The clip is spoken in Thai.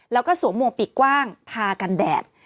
แล้วก็สวมมวกปีกกว้างทากันแดด